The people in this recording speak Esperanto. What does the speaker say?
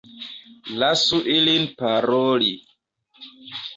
Lasu ilin paroli.